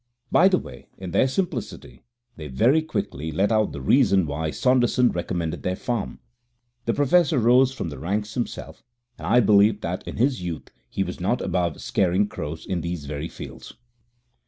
By the way, in their simplicity they very quickly let out the reason why Saunderson recommended their farm. The Professor rose from the ranks himself, and I believe that in his youth he was not above scaring crows in these very fields.